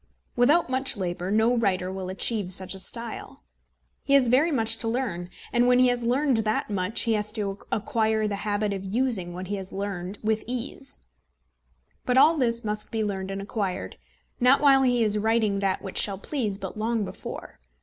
Without much labour, no writer will achieve such a style. He has very much to learn; and, when he has learned that much, he has to acquire the habit of using what he has learned with ease. But all this must be learned and acquired, not while he is writing that which shall please, but long before.